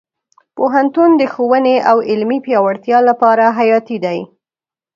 پوهنتون د ښوونې او علمي پیاوړتیا لپاره حیاتي دی.